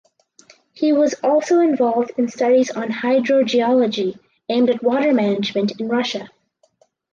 He was also involved in studies on hydrogeology aimed at water management in Russia.